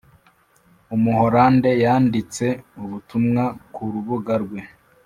umuhorande yanditse ubutumwa ku rubuga rwe